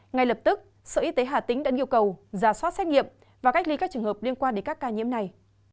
ngay lập tức sở y tế hà tĩnh đã yêu cầu giả soát xét nghiệm và cách ly các trường hợp liên quan đến các ca nhiễm này